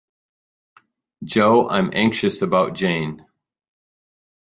Jo, I'm anxious about Jane.